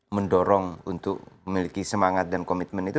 mendorong untuk memiliki semangat dan komitmen itu